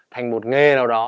thành một nghề nào đó